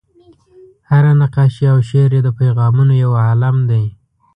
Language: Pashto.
هره نقاشي او شعر یې د پیغامونو یو عالم دی.